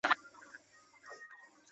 被秦将章邯讨死。